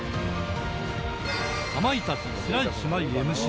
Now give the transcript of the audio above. かまいたち白石麻衣 ＭＣ